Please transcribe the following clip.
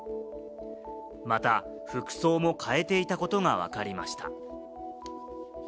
また服装も変えていたことがわかりました。